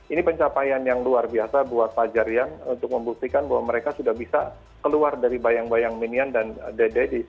ini pencapaian yang luar biasa buat fajar rian untuk membuktikan bahwa mereka sudah bisa keluar dari bayang bayang minion dan the daddies